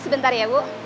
sebentar ya bu